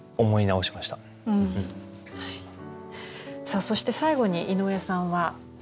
さあそして最後に井上さんは。